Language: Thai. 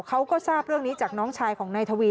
เขาก็ทราบเรื่องนี้จากน้องชายของนายทวี